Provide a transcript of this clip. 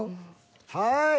はい。